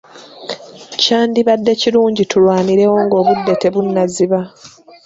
Kyandibadde kirungi tulwanirewo nga obudde tebunnaziba.